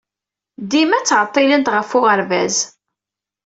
Dima ttɛeḍḍilent ɣef uɣerbaz.